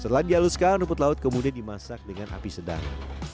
setelah dihaluskan rumput laut kemudian dimasak dengan api sedang